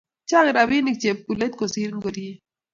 Chang rabinik chepkulet kosir ngoriet